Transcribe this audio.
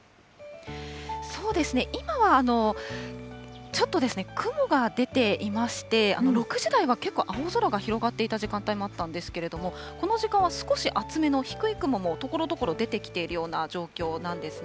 そうですね、今はちょっと雲が出ていまして、６時台は結構青空が広がっていた時間帯もあったんですけれども、この時間は少し厚めの低い雲も、ところどころ出てきているような状況なんですね。